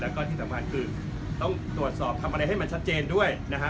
แล้วก็ที่สำคัญคือต้องตรวจสอบทำอะไรให้มันชัดเจนด้วยนะฮะ